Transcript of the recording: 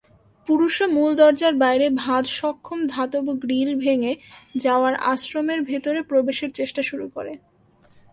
পুরুষরা মূল দরজার বাইরে ভাঁজ-সক্ষম ধাতব গ্রিল ভেঙে যাওয়ার আশ্রমের ভিতরে প্রবেশের চেষ্টা শুরু করে।